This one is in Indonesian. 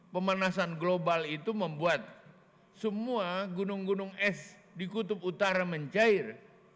pemanasan global itu membuat semua gunung gunung es di kutub utara mencair